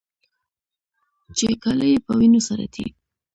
چې کالي يې په وينو سره دي.